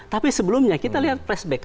tapi sebelumnya kita lihat flashback